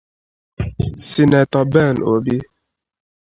Sinetọ Ben Obi